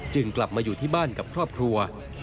กลับมาอยู่ที่บ้านกับครอบครัว